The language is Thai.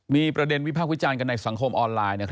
มีประเด็นวิพากษ์วิจารณ์กันในสังคมออนไลน์